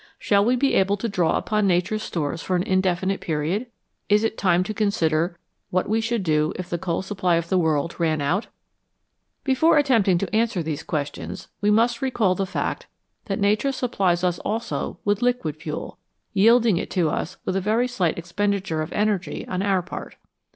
Shall we be able to draw upon Nature's stores for an indefinite period ? Is it time to consider what we should do if the coal supply of the world ran out ? Before attempting to answer these questions, we must recall the fact that Nature supplies us also with liquid fuel, yielding it to us with a very slight expenditure of energy on our part.